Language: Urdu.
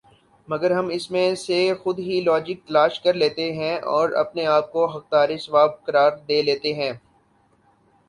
مگر ہم اس میں سے خود ہی لاجک تلاش کرلیتےہیں اور اپنے آپ کو حقدار ثواب قرار دے لیتےہیں